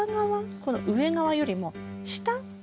この上側よりも下。